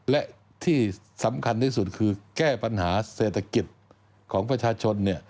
และที่สำคัญที่สุดคือแก้ปัญหาเศรษฐกิจของประชาชน